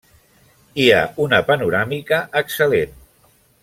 Hi ha una panoràmica excel·lent.